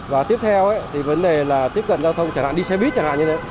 và tiếp theo thì vấn đề là tiếp cận giao thông chẳng hạn đi xe buýt chẳng hạn như thế